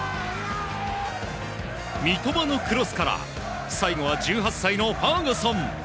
三笘のクロスから最後は１８歳のファーガソン。